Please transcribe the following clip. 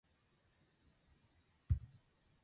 Volqanın sol qolu.